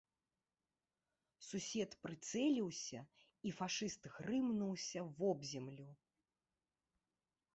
Сусед прыцэліўся, і фашыст грымнуўся вобземлю.